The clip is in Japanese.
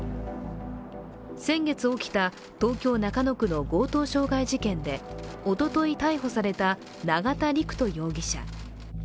先月起きた東京・中野区の強盗傷害事件でおととい逮捕された永田陸人容疑者。